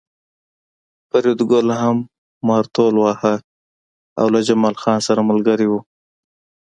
فریدګل هم مارتول واهه او له جمال خان سره ملګری و